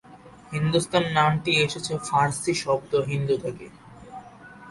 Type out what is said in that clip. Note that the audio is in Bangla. হিন্দুস্তান নামটি এসেছে ফার্সি শব্দ "হিন্দু" থেকে।